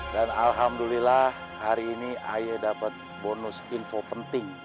dan alhamdulillah hari ini ayah dapet bonus info penting